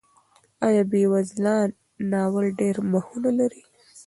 آیا بېوزلان ناول ډېر مخونه لري؟